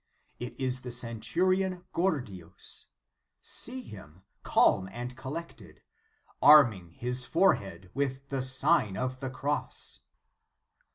It is the centurion Gordius. See him, calm and collected, arming his forehead with the Sign of the Cross.